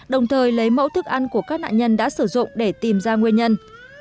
đồng thời lấy mẫu thức ăn của các nạn nhân đã sử dụng để tìm ra nguyên nhân